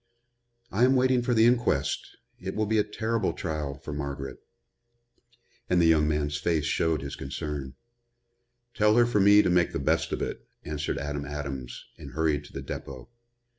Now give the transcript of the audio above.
"I am waiting for the inquest. It will be a terrible trial for Margaret." And the young man's face showed his concern. "Tell her for me to make the best of it," answered Adam Adams and hurried to the depot.